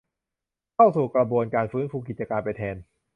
เข้าสู่กระบวนการฟื้นฟูกิจการไปแทน